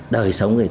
đời sống người dân